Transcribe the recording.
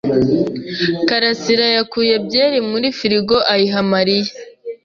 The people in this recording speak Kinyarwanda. Karasirayakuye byeri muri firigo ayiha Mariya.